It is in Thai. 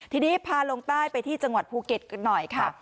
ทีนี้พาลงใต้ไปที่จังหวัดภูเก็ตกันหน่อยค่ะ